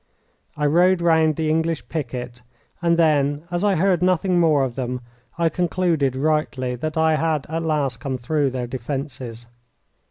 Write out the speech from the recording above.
I rode round the English picket, and then, as I heard nothing more of them, I concluded rightly that I had at last come through their defences.